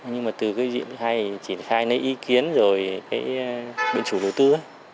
nhưng mà từ cái diện hay chỉ khai nơi ý kiến rồi cái biện chủ đầu tư